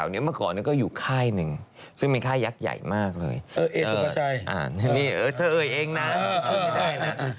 กับอีกคนนึงเนี่ยเขาเป็นเพื่อนกัน